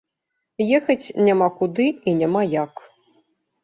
Ехаць няма куды і няма як.